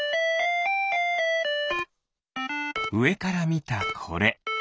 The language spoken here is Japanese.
うえからみたこれ。